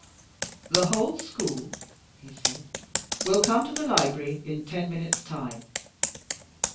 "The whole school," he said, "will come to the library in ten minutes' time."